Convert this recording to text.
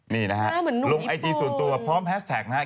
นี่นะฮะลุงไอจีสูญตัวพร้อมแฮสแท็กนะฮะ